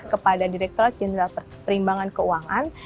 kepada direktur general perimbangan keuangan